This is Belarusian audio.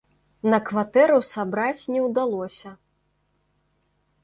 На кватэру сабраць не ўдалося.